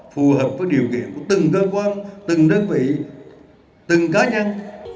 phù hợp với điều kiện của từng cơ quan từng đơn vị từng cá nhân